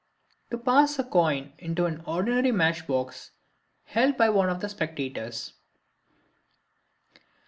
To Pass a Coin into an Ordinary Matchbox held by One of the Spectators.